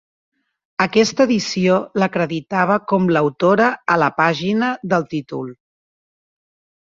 Aquesta edició l'acreditava com l'autora a la pàgina del títol.